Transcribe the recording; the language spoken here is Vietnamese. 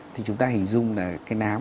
thì chúng ta hình dung là cái nám